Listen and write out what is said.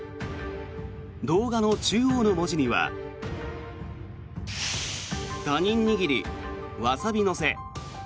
動画の中央の文字には他人握りワサビ乗せ。